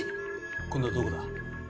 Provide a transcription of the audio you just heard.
今度はどこだ？